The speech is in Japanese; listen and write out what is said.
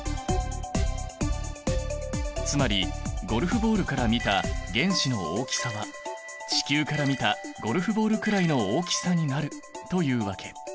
つまりゴルフボールから見た原子の大きさは地球から見たゴルフボールくらいの大きさになるというわけ。